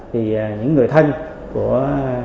thì những người thân của